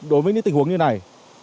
đối với những tình huống như này